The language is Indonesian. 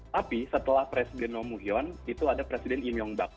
tapi setelah presiden roh moo hyun ada presiden im yong bak